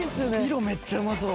色めっちゃうまそう！